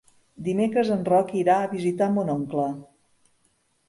Dimecres en Roc irà a visitar mon oncle.